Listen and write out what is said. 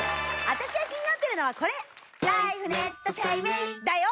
あたしが気になってるのはこれ！だよ！